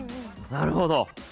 なるほど。